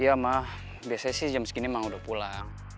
iya ma biasanya sih jam segini emang udah pulang